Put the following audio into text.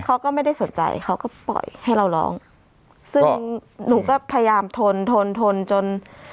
เขาก็ไม่ได้สนใจเขาก็ปล่อยให้เราร้องซึ่งหนูก็พยายามทนทนทนจน